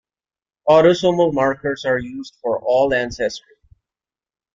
Autosomal markers are used for all ancestry.